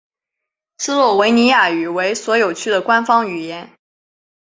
斯洛文尼亚语为所有区的官方语言。